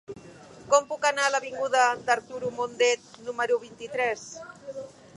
Com puc anar a l'avinguda d'Arturo Mundet número vint-i-tres?